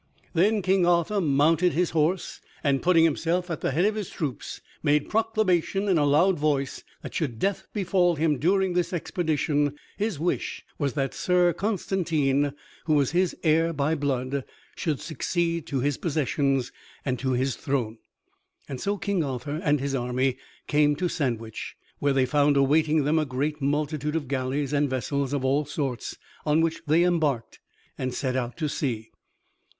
Then King Arthur mounted his horse, and, putting himself at the head of his troops, made proclamation in a loud voice that should death befall him during this expedition, his wish was that Sir Constantine, who was his heir by blood, should succeed to his possessions and to his throne. So King Arthur and his army came to Sandwich, where they found awaiting them a great multitude of galleys and vessels of all sorts, on which they embarked and set out to sea.